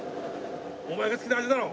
お前が好きな味だろ？